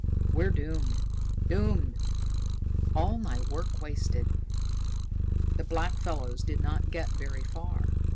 We're doomed doomed! All my work wasted!" The blackfellows did not get very far.